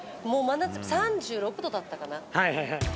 もう真夏、３６度だったかな。